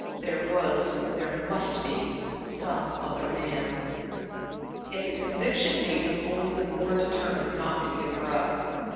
There was, there must be, some other man. Yet the conviction made him only the more determined not to give her up.